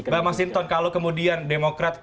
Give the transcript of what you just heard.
bang masinton kalau kemudian demokrat